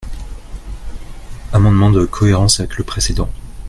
Amendement de cohérence avec le précédent.